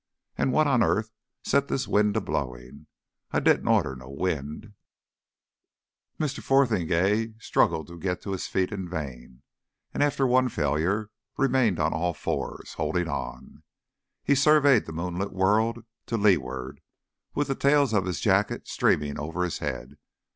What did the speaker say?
And what on earth set this wind a blowing? I didn't order no wind." Mr. Fotheringay struggled to get to his feet in vain, and after one failure, remained on all fours, holding on. He surveyed the moonlit world to leeward, with the tails of his jacket streaming over his head.